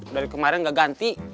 dari kemarin gak ganti